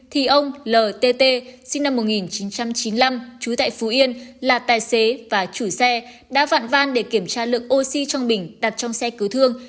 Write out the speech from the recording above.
thì ông l t t sinh năm một nghìn chín trăm chín mươi năm chú tại phú yên là tài xế và chủ xe đã vạn van để kiểm tra lượng oxy trong bình đặt trong xe cứu thương